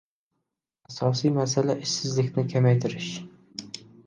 Asosiy masala – ishsizlikni kamaytirish